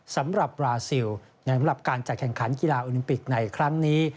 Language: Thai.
สำหรับบราซิลสำหรับการจัดแข่งขันกีฬาโอลิมปิกในครั้งนี้